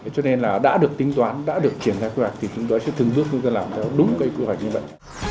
cho nên là đã được tính toán đã được triển ra quy hoạch thì chúng ta sẽ thường giúp chúng ta làm theo đúng cái quy hoạch như vậy